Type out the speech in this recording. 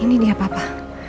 ini dia papa